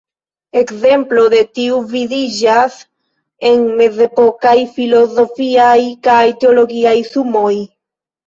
Ekzemplo de tiu vidiĝas en mezepokaj filozofiaj kaj teologiaj sumoj.